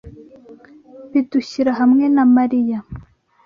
Bidushyira hamwe na Mariya